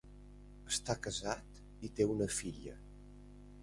Està casat i té una filla.